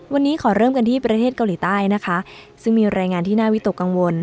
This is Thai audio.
วันนี้ขอเริ่มกันที่ประเทศเกาหลีใต้นะคะซึ่งมีรายงานที่น่าวิตกกังวล